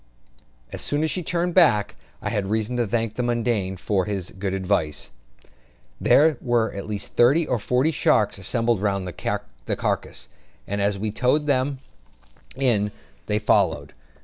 As soon as she turned on her back, I had reason to thank the "Mudian" for his good advice; there were at least thirty or forty sharks assembled round the carcasses; and as we towed them in, they followed.